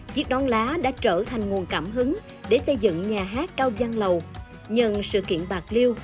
chiếc nón lá đã trở thành nguồn cảm hứng để xây dựng nhà hát cao văn lầu nhận sự kiện bạc liêu